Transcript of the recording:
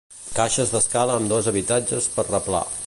Caixes d'escala amb dos habitatges per replà.